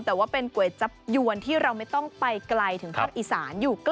แต่ว่าเป็นก๋วยจับยวนที่เราไม่ต้องไปไกลถึงภาคอีสานอยู่ใกล้